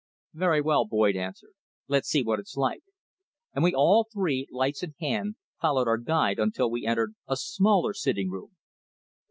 "Very well," Boyd answered. "Let's see what it's like," and we all three, lights in hand, followed our guide until we entered a smaller sitting room.